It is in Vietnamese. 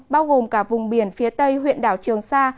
bao gồm cả vùng biển phía tây huyện đảo trường sa